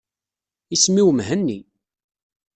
Isem-iw Mhenni.